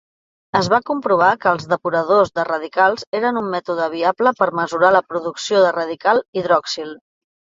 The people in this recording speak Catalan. Es va comprovar que els depuradors de radicals eren un mètode viable per mesurar la producció de radical hidroxil.